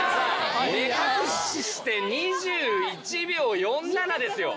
目隠しして２１秒４７ですよ！